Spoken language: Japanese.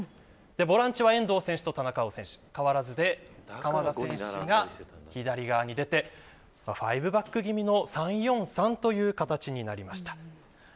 ボランチは遠藤選手と田中碧選手変わらずで５バック気味の３‐４‐３という形になりました。